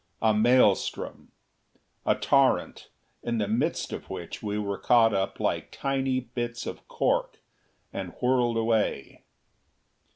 A maelstrom. A torrent in the midst of which we were caught up like tiny bits of cork and whirled away.